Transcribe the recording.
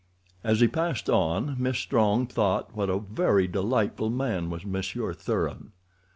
As he passed on Miss Strong thought what a very delightful man was Monsieur Thuran.